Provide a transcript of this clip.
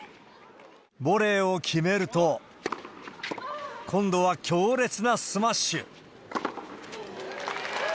ボレーを決めると、今度は強烈なスマッシュ。